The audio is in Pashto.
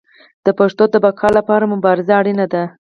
د پښتو د بقا لپاره مبارزه اړینه ده.